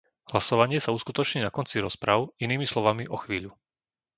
Hlasovanie sa uskutoční na konci rozpráv, inými slovami o chvíľu.